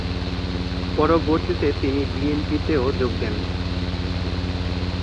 পরবর্তিতে তিনি বিএনপি তেও যোগ দেন।